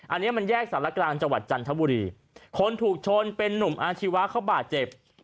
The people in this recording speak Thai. อันนี้มันแยกสารกลางจังหวัดจันทบุรีคนถูกชนเป็นนุ่มอาชีวะเขาบาดเจ็บ